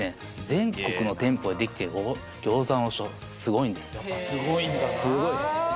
全国の店舗でできている餃子の王将はすごいんですよ・へえ